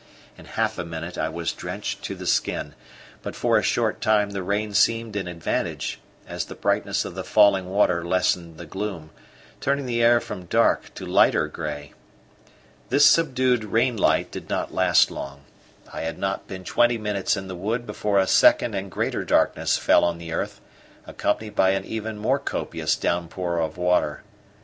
In half a minute I was drenched to the skin; but for a short time the rain seemed an advantage, as the brightness of the falling water lessened the gloom, turning the air from dark to lighter grey. This subdued rain light did not last long: I had not been twenty minutes in the wood before a second and greater darkness fell on the earth, accompanied by an even more copious downpour of water.